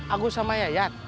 aku sama yayat